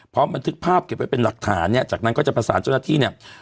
บันทึกภาพเก็บไว้เป็นหลักฐานเนี่ยจากนั้นก็จะประสานเจ้าหน้าที่เนี่ย